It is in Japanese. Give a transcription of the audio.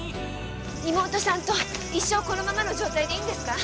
妹さんと一生このままの状態でいいんですか？